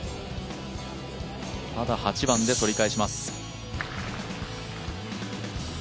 ただ、８番で取り返します。